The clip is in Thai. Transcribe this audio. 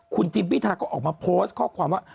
คุณทิมพิธาก็ออกมาโพสต์ข้อความว่า